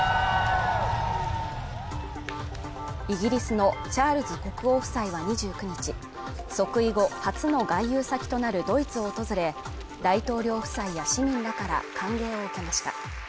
イギリスのチャールズ国王夫妻は２９日、即位後初の外遊先となるドイツを訪れ、大統領夫妻や市民らから歓迎を受けました。